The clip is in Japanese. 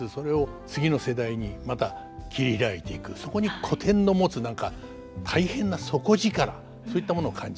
そこに古典の持つ何か大変な底力そういったものを感じますね。